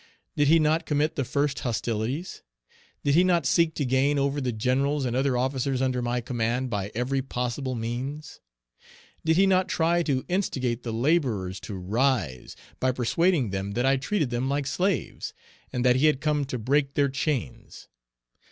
Did he not commit the first hostilities? Did he not seek to gain over the generals and other officers under my command by every possible means? Page 308 Did he not try to instigate the laborers to rise, by persuading them that I treated them like slaves, and that he had come to break their chains?